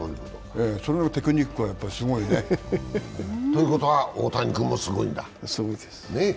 そのテクニックはすごいね。ということは大谷君はすごいんだ。